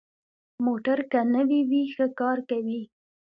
موټر که نوي وي، ښه کار کوي.